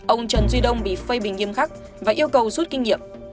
ông trần duy đông bị phê bình nghiêm khắc và yêu cầu rút kinh nghiệm